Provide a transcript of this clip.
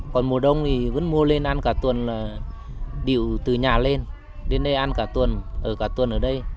còn mùa đông thì vẫn mua lên ăn cả tuần là điệu từ nhà lên đến đây ăn cả tuần ở cả tuần ở đây